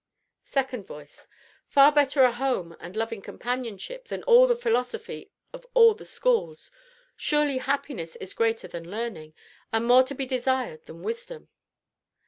SECOND VOICE. Far better a home and loving companionship than all the philosophy of all the schools; surely Happiness is greater than Learning, and more to be desired than Wisdom!